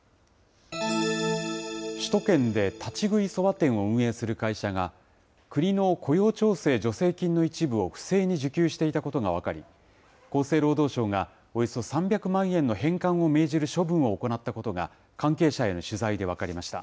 首都圏で立ち食いそば店を運営する会社が、国の雇用調整助成金の一部を不正に受給していたことが分かり、厚生労働省がおよそ３００万円の返還を命じる処分を行ったことが、関係者への取材で分かりました。